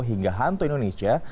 hingga hantu indonesia